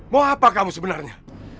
mau apa kamu sebenarnya